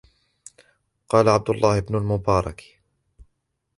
وَقَالَ عَبْدُ اللَّهِ بْنُ الْمُبَارَكِ